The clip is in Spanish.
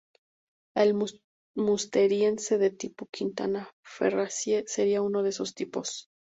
El Musteriense de tipo Quina-Ferrassie seria uno de esos tipos.